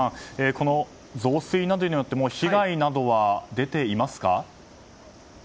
この増水などによって被害などは出ていますか？